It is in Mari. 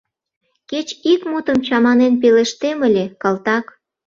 Кеч ик мутым чаманен пелештем ыле, калтак.